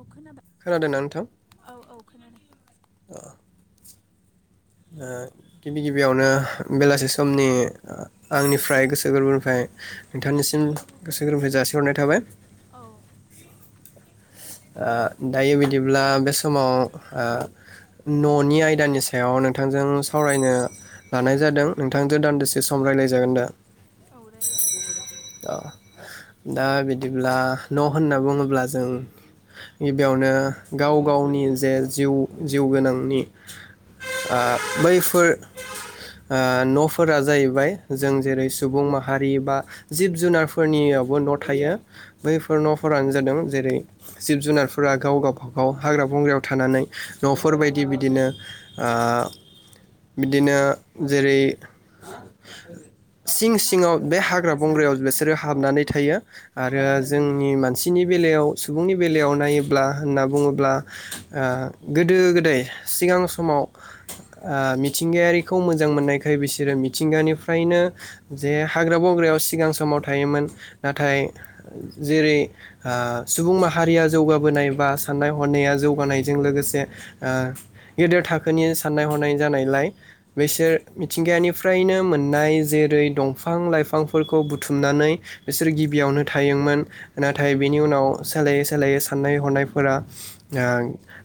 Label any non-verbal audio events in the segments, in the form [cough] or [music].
औ खोनादोंना नोंथां? खोनाबाय औ औ खोनादों। ओ। ओ गिबि गिबियावनो बेलासि समनि आंनिफ्राय गोसो गोरबोनिफ्राय नोंथांनिसिम गोसो गोरबोनिफ्राय जासिहरनाय थाबाय। औ। ओ दायो बिदिब्ला बे समाव ओ न'नि आयदानि सायाव नोंथांजों सावरायनो लानाय जादों। नोंथांदो दान्दिसे सम रायलायजागोन दा? औ रायलाय जागोन। अ दा बिदिब्ला न' होनना बुङोब्ला जों गिबियावनो गाव गावनि जे जिउ जिउ गोनांनि। दा बैफोर आ न'फोरा जाहैबाय जों जेरै सुबुं माहारि बा जिब जुनारफोरनियावबो न' थायो। बैफोर न'फोरानो जादों जेरै जिब जुनारफोरा गाव गावबागाव हाग्रा बंग्रायाव थानानै न'फोरबायदि बिदिनो आ। बिदिनो जेरै सिं बास सिङाव बे ओ हाग्रा बंग्रायाव बासाफोर ओ बिसोरो हाबनानै थायो उम आरो जोंनि मानसिनि बेलायाव सुबुंनि बेलायाव नायोब्ला होनना बुङोब्ला ओ गोदो गोदाय सिगां समाव। ओ मिथिंगायारिखौ मोजां मोननायखाय बिसोरो मिथिंगानिफ्रायनो जे हाग्रा बग्रायाव सिगां समाव थायोमोन। नाथाय जेरै आ सुबुं माहारिया जौगाबोनाय बा साननाय हनाया जौगानायजों लोगोसे आ गेदेर थाखोनि। साननाय हनाय जानायलाय बिसोर मिथिंगायानिफ्रायनो मोननाय जेरै दंफां लाइफांफोरखौ बुथुमनानै बिसोर गिबियावनो थायोमोन। नाथाय बेनि उनाव सोलायै सोलायै साननाय हनायफोरा आ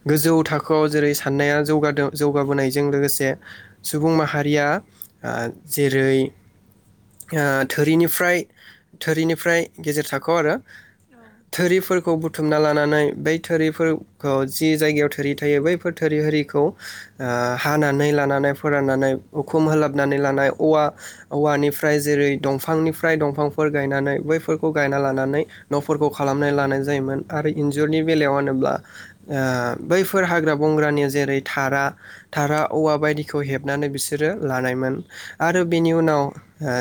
गोजौ थाखोआव जेरै साननाया जौगादों। जौगाबोनायजों लोगोसे सुबुं माहारिया आ जेरै आ थोनिफ्राय थोरिनिफ्राय गेजेर थाखोआव आरो औ थोरिफोरखौ बु बुथुमना लानानै बै थोरिफोरखौ जि जायगायाव थोरि थायो बैफोर थोरि हारिखौ आ औ हानानै लानानै फोराननानै उखुम होलाबनानै लानाय औवा औवानिफ्राय जेरै दंफांनिफ्राय दंफांफोर गायनानै बैफोरखौ गायना लानानै न'फोरखौ खालामना लानाय जायोमोन आरो इन्जुरनि बेलायाव होनोब्ला आ औ बैफोर औ हाग्रा बंग्रानि जेरै थारा थारा औवा बायदिखौ हेबनानै बिसोरो लानायमोन आरो उम बेनि उनाव ओ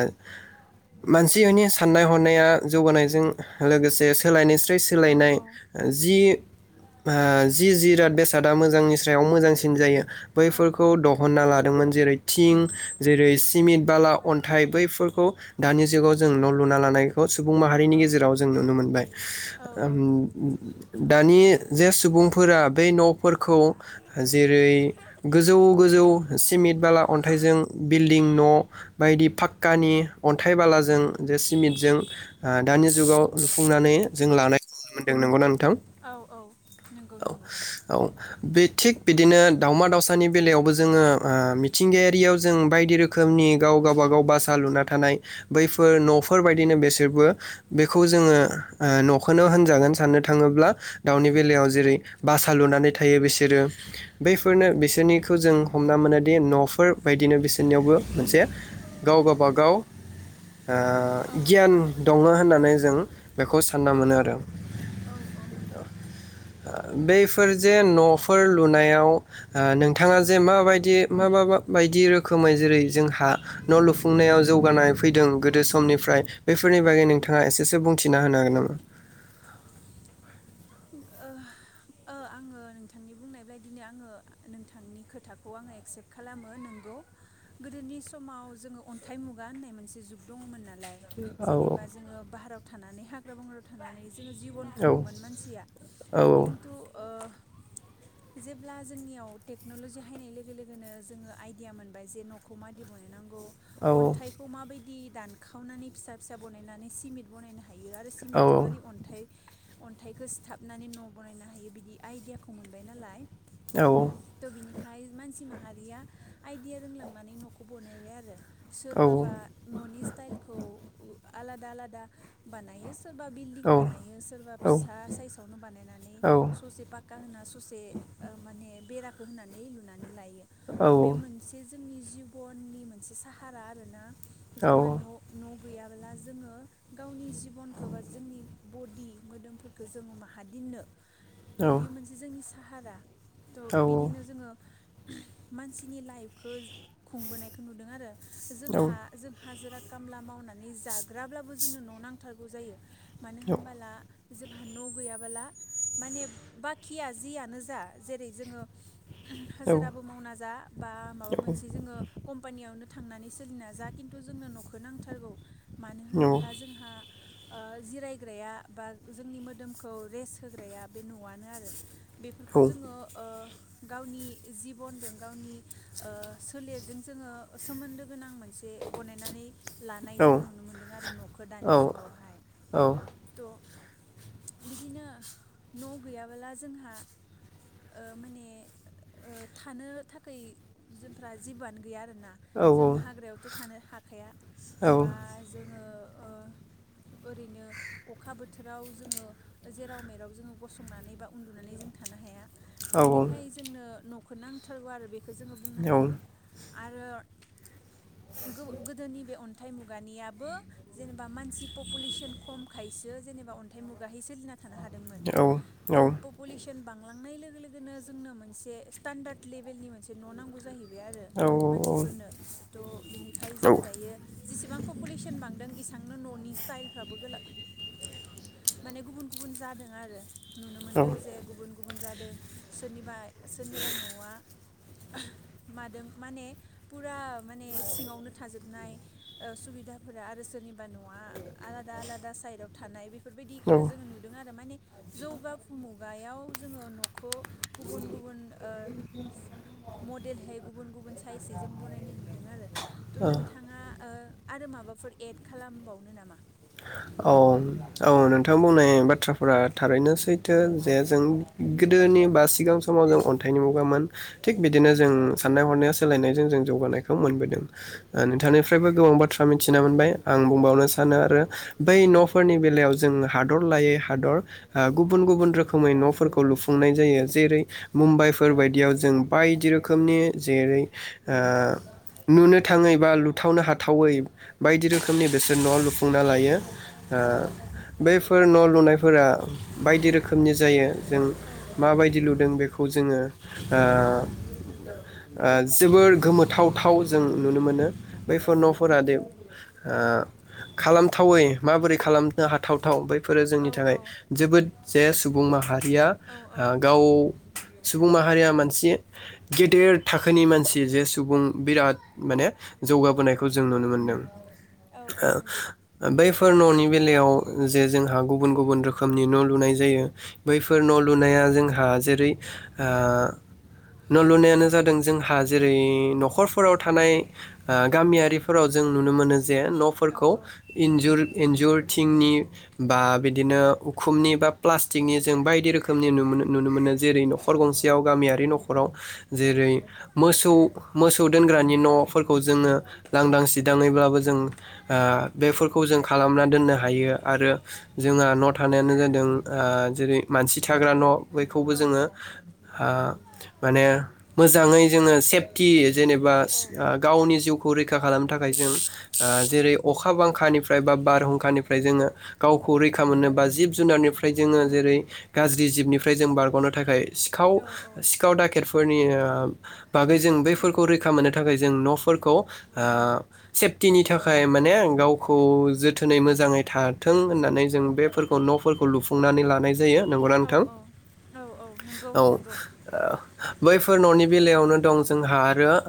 मानसिनि साननाय हनाया जौगानायजों लोगोसे सोलायनाय [unintelligible] औ सोलायनाय औ जि ओ जि जिराद बेसादा मोजांनि स्रायाव मोजांसिन जायो। औ बैफोरखौ दहनना लादोंमोन जेरै थिं जेरै सिमिन्ट बाला अन्थाइ बैफोरखौ दानि जुगाव जों न' लुना लानाय खौ सुबुं माहारिनि गेजेराव जों नुनो मोनबाय। औ ओम दानि जे सुबुंफोरा बे न'फोरखौ जेरै गोजौ गोजौ सिमिन्ट बाला अन्थाइजों बिल्डिं न' बायदि फाक्कानि अन्थाइ बालाजों जे सिमिन्टजों आ दानि जुगाव लुफुंनानै जों लानाय नुनो मोनदों नंगौ ना नोंथां? ओं औ औ नंगौ औ नंगौ औ बे थिग बिदिनो दावमा दाावसानि बेलायावबो जोङो ओ मिथिंगायारियाव जों बायदि रोखोमनि गाव गावबागाव बासा लुना थानाय बैफोर न'फोर बायदिनो बेसोरबो बेखौ जोङो ओ न'खौनो होनजागोन साननो थाङोब्ला दाउनि बेलायाव जेरै बासा लुनानै थायो बिसोरो। बैफोरनो बिसोरनिखौ जों हमना मोनोदि न'फोर बायदिनो बिसोरनियावबो मोनसे गाव गाबागाव आ ओ गियान ओ दङ होननानै जों बेखौ सानना ओ औ मोनो औ आरो औ दा बैफोर जे न'फोर लुनायाव आ नोंथाङा जे माबायदि मा मा मा बायदि रोखोमै जेरै जोंहा न' लुफुंनायाव जौगानाय फैदों गोदो समनिफ्राय बेफोरनि बागै औ नोंथाङा एसेसो बुंथिना होनो हागोन नामा? ओह ओ आङो नोंथांनि बुंनाय बायदिनो आङो नोंथांनि खोथाखौ आङो एक्सेप्ट खालामो नोंगौ गोदोनि समाव जोङो अन्थाइ मुगा होननाय मोनसे जुग दङमोन ना औ जेनेबा जोङो बारायाव थानानै हा [unintelligible] जोङो जिबन औ खुङोमोन मानसि या औ खिनथु ओ जेब्ला जोंनियाव टेक्न'लजि हायनाय लोगो लोगोनो जोङो आइडिया मोनबाय जे न'खौ मादि बननांगौ औ अन्थाइखौ माबायदि दानखावनानै फिसा फिसा बानायनानै सिमेन्ट बनायनो हा यो आरो सिमेटजों मारै अन्थाइ अन्थाइ खो सिथाबनानै न' बानायनो हायो बिदि आइडियाखौ मोनबाय नालाय औ थ' बिनिखाय मानसि मा हारिया आइदिया रोंलांनानै न'खौ बनायबाय आरो सोरबाबा न'नि स्टाइलखौ आलादा आलादा बानायो स सोरबा बिल्दिं बानायो सोरबा औ फिसा साइसावनो बानायनानै स'से पाक्का होना स'से ओ माने बेरा खो होनानै लुनानै लायो थ बे मोनसे जों नि जिबननि मोनसे साहारा आरोना जोंहा न' न' गैयाबोला जोङो गावनि जिबनखो बा जोंनि बदि मोदोमफोर खो जोङो माहादिन्नो त' बियो मोनसे जोंनि साहारा त' बिदिनो जोङो मानसिनि लाइफखो खुंबोनायखो नुदों आरो जोंहा जों हाजिरा खामला मावनानै जाग्राब्लाबो जोंनो न' नांथारगौ जायो। मानो होमबोला जोंहा न' गैयाबोला माने बाखिया जियानो जा जेरै जोङो हाजिराबो मावना जा बा माबा मोनसे जोङो कम्पानियावनो थांनानै सोलिना जा खिन्थु जोंनो न'खौ नांथारगौ। मानो होनबोला जोंहा ओ जिरायग्राया बा जोंनि मोदोमखौ रेस्ट होग्राया बे न'आनो आरो बेफोरखौ जोङो ओ गावनि जिबनदों गावनि ओ सोलेरदों जोङो सोमोन्दो गोनां मोन से बनायनानै लानाय जोङो नुनो मोन्दों आरो न'खो दानि जुगावहाय त बिदिनो न' गैयाबोला जोंहा ओ माने ओ थानो थाखाय जोंफ्रा जेबोआनो गैया आरोना जों हाग्रायावथ' थानो हाखाया बा जोङो ओ ओरैनो अखाबो बोथोराव जोङो जेराव मेराव जोङो गसंनानै बा उन्दुनानै जों थानो हाया। बिनिखाय जोंनो न' खो नांथारगौ आरो बे खो जोङो बुंनो हायो। आरो गोबो गोदोनि बे अन्थाइ मुगानियाबो जेनेबा मानसि पपुलेसन खमखायसो जेनेबा अन्थाइ मुगाहै सोलिना थानो हादोंमोन त औ पपुलेसन बां- [inaudible] लोगो लोगोनो जोंनो मोनसे स्टेनदार लेबेलनि मोनसे न' नांगौ जायो। बे आरो औ मानसिफोरनो थ बिनिखाय जोङो दायो जेसेबां पपुलेसन बांदों एसे [unintelligible] ननि स्टाइलफ्राबो गोलाव माने गुबुन गुबुन जादों आरो नुनो औ मोनदों जे गुबुन गुबुन मोनजादों सोरनिबा सोरनिबा न'आ मादों माने फुरा माने सिङावनो थाजोबनाय ओ सुबिदाफोरा आरो सोरनिबा न'आआलादा आलादा साइदाव थ थानाय बे बेफोरबायदिखौ औ जोङो नुदों आरो माने जौगाफुमुगायाव जोङो न'खौ गुबुन गुबुन ओ मडेलहै गुबुन गुबुन साइजै जों बनायनाय नुदों आरो थ' औ नोंथाङा ओ आरो माबाफोर एड खालामबावनो नामा? औ औ नोंथां बुंनाय बाथ्राफोरा थारैनो सैथो जे जों गोदोनि बा सिगां समाव जों अन्थाइनि मुगामोन थिग बिदिनो जों साननाय हनाया सोलायनायजों जों जौगानायखौ मोनबोदों ओ नोंथांनिफ्रायबो गोबां बाथ्रा मिथिना मोनबाय आं बुंबावनो सानो आरो बै न'फोरनि बेलायाव जों हादर लायै हादर ओ गुबुन गुबुन रोखोमै न'फोरखौ लुफुंनाय जायो जेरै मुम्बाइफोर बायदियाव जों बायदि रोखोमनि जेरै ओ नुनो थाङै बा लुथावनो हाथावै बायदि औ रोखोमनि औ बेसोर न' लु लुना लायो ओ औ औ बैफोर न' लुनाय फोरा बायदि रोखोमनि जायो जों औ औ माबायदि लुदों बेखौ जोङो ओ ओ जोबोर गोमोथावथाव जों नुनो मोनो बैफोर औ न'फोरादि ओ खालामथावै माबोरै खालामनो हाथावथाव बै फोरो जोंनि थाखाय जोबोद जे सुबुं माहारिया औ ओ गाव सुबुं माहारिया मोनसे गेदेर थाखोनि मानसि जे सुबुं बिराद माने जौगाबोनायखौ जों नुनो मोनदों औ औ नंगौ दा ओ बै न'नि बेलायाव जे जोंहा गुबुन गुबुन रोखोमनि न' लुनाय जायो बैफोर न' लुनाया जोंहा जेरै ओ न' लुनायानो जादों जोंहा जेरै नख'रफोराव थानाय ओ गामियारिफोराव जों नुनो मोनो जे औ न'फोरखौ औ इन्जुर इनजुर थिंनि बा बिदिनो उखुमनि बा प्लास्टिकनि जों बायदि रोखोमनि नु मोनो नुनो मोनो जेरै नख'र औ गंसेयाव औ गामियारि नख'राव जेरै औ मोसौ मोसौ दोनग्रानि न'फोरखौ जोङो लांदां सिदाङैब्लाबो जों ओ बेफोरखौ जों खालामना दोननो हायो आरो जोंहा न' थानायानो जादों ओ जेरै मानसि थाग्रा न' बैखौबो औ जोङो औ ओ माने मोजाङै जोङो सेफटि औ जेनेबा ओ गावनि जिउखौ रैखा खालामनो थाखाय जों ओ जेरै अखा बांखानि फ्राय बा बारहुंखानिफ्राय जोङो गावखौ रै खा मोननो बा जिब जुनारनिफ्राय जोङो जेरै गाज्रि जिबनिफ्राय जों बारग'नो थाखाय सिखाव सिखाव दाखेटफोरनि ओ बागै जों बैफोरखौ रैखा मोननो थाखाय जों न'फोरखौ ओ सेफटिनि थाखाय माने गाव खौ जोथोनै मोजाङै थाथों होननानै जों बेफोरखौ न'फोरखौ लुफुंनानै लानाय जायो नंगौ ना औ नोंथां? औ औ नंगौ औ नंगौ बैफोर न'नि बेलायावनो दं जोंहा आरो ओ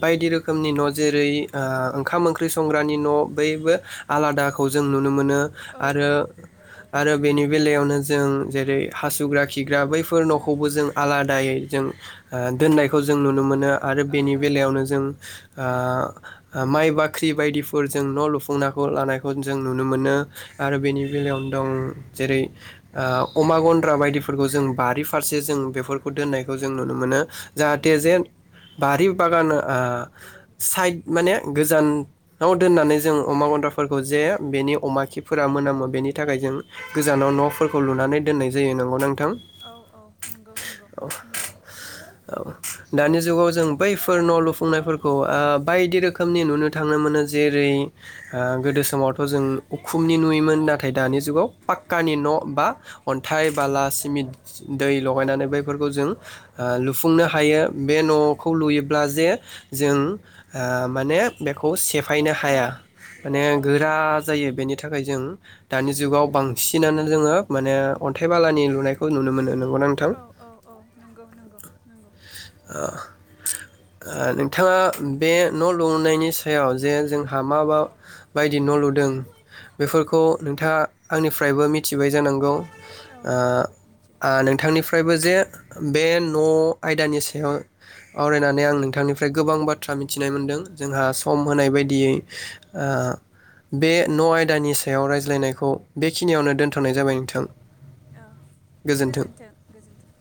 बायदि रोखोमनि न' जेरै ओ ओंखाम ओंख्रि संग्रानि न' बैबो आलादाखौ जों नु नो मोनो औ आरो औ आरो बेनि बेलायावनो जों जेरै हासुग्रा खि ग्रा बैफोर उम न'खौबो जों आला दायै जों ओ दोननायखौ जों नुनो मोनो आरो औ बेनि औ बेलायावनो जों ओ माइ बाख्रि बायदिफोरजों न' लु फुंनाखौ लानायखौ जों नुनो मोनो आरो बेनि बेलायावनो दं जेरै ओ अमा गन्द्रा बायदिफोरखौ जों बारि फारसे जों बेफोरखौ दोननायखौ जों नुनो मोनो। जाहाथे नंगौ जेन नंगौ बारि बागान ओ साइड माने गोजानाव दोननानै जों अमा गन्द्राफोरखौ जे बेनि अमा खिफोरा मोनामो बेनि थाखाय जों गोजानाव न'फोरखौ लुनानै दोननाय जायो नंगौ ना नों औ औ नोंगौ नोंगौ नोंगौ। औ दानि जुगाव जों बैफोर न' लुफुंनायफोरखौ ओ बायदि रोखोमनि नुनो थांनो मोनो जेरै ओ गोदो समावथ' जों उखुमनि नुयोमोन नाथाय दानि जुगाव पाक्कानि न' बा अन्थाइ बाला सिमिट दै लगायनानै बैफोरखौ जों ओ लु फुंनो हायो बे औ न'खौ औ लुयोब्ला जे जों ओ माने बेखौ सेफायनो हाया। माने औ गोरा जायो बेनि थाखाय जों दानि जुगाव बांसिनानो जोङो माने अन्थाइ बालानि लुनायखौ नुनो मोनो नोंगौ ना नोंथां? औ औ औ नंगौ नंगौ नंगौ ओ नोंथाङा बे न' लुनायनि सायाव जे जोंहा मा मा बायदि न' लुदों बेफोरखौ नोंथाङा आंनिफ्रायबो मिथिबाय जानांगौ। औ ओ मिथिबाय मिथिबाय आह नोंथांनिफ्रायबो जे बे न' आयदानि सायाव आवरायनानै आं नोंथांनिफ्राय गोबां बाथ्रा मिनथिनाय मोनदों जोंहा सम होनाय बायदियै ओ बे न' आयदानि सायाव रायज्लायनायखौ बेखिनियावनो दोनथ'नाय जाबाय नोंथां। ओ गोजोन्थों, गोजोन्थों।